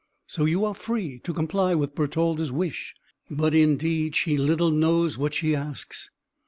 So you are free to comply with Bertalda's wish; but indeed, she little knows what she asks.